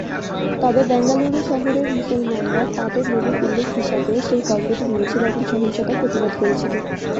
তবে, বেঙ্গালুরু শহরের মুসলমানরা তাদের নবীর উল্লেখ হিসাবে সেই গল্পটি নিয়েছিল এবং সহিংসতার প্রতিবাদ করেছিল।